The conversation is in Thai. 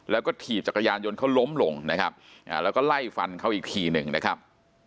แล้วก็ถีบจักรยานยนต์เขาล้มลงนะครับแล้วก็ไล่ฟันเขาอีกทีหนึ่งนะครับ